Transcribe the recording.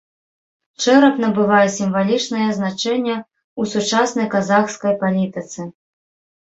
Чэрап набывае сімвалічнае значэнне ў сучаснай казахскай палітыцы.